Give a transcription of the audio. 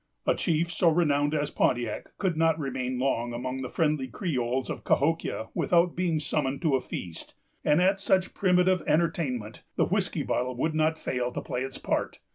A chief so renowned as Pontiac could not remain long among the friendly Creoles of Cahokia without being summoned to a feast; and at such primitive entertainment the whiskey bottle would not fail to play its part.